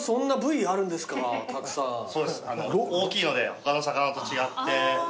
大きいので他の魚と違って。